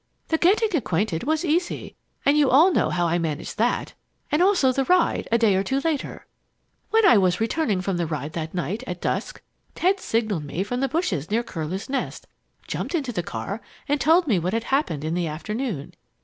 "The getting acquainted was easy, and you all know how I managed that and also the ride, a day or two later. When I was returning from the ride that night, at dusk, Ted signaled me from the bushes near Curlew's Nest, jumped into the car, and told me what had happened in the afternoon.